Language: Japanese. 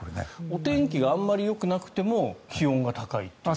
お天気があまりよくなくても気温が高いという。